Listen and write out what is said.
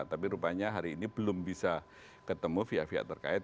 tapi rupanya hari ini belum bisa ketemu pihak pihak terkait